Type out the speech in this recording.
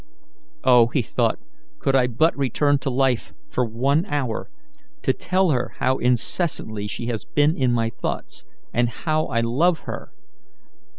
"Oh," he thought, "could I but return to life for one hour, to tell her how incessantly she has been in my thoughts, and how I love her!